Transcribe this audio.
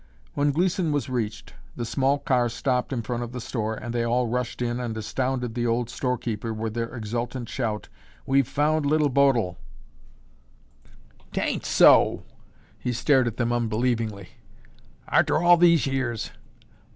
When Gleeson was reached, the small car stopped in front of the store and they all rushed in and astounded the old storekeeper with their exultant shout, "We've found Little Bodil!" "'Tain't so!" He stared at them unbelievingly. "Arter all these years!